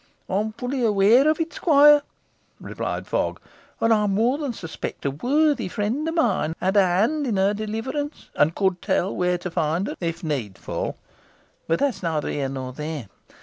"I am fully aware of it, squire," replied Fogg; "and I more than suspect a worthy friend of mine had a hand in her deliverance and could tell where to find her if needful. But that is neither here nor there.